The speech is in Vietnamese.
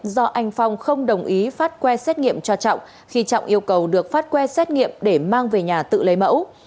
do anh phong không đồng ý phát que xét nghiệm cho trọng khi trọng yêu cầu được phát quest nghiệm để mang về nhà tự lấy mẫu